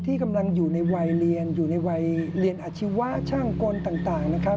ที่กำลังอยู่ในวัยเรียนณวัยเรียนอชีวะช่างกลต่าง